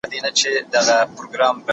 ¬ په جنگ کي يو گام د سلو کلو لاره ده.